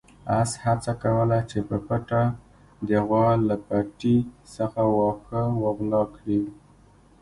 اس هڅه کوله چې په پټه د غوا له پټي څخه واښه وغلا کړي.